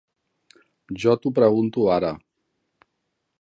Jo t'ho pregunto ara.